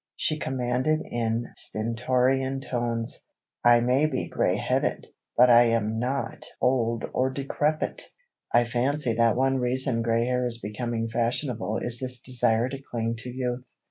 she commanded in stentorian tones. "I may be gray headed, but I am not old or decrepit!" I fancy that one reason gray hair is becoming fashionable is this desire to cling to youth.